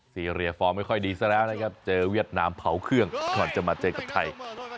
ซีเรียฟอร์มไม่ค่อยดีซะแล้วนะครับเจอเวียดนามเผาเครื่องก่อนจะมาเจอกับไทย